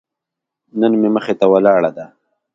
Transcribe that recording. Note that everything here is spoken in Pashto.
نن مې مخې ته ولاړه ده.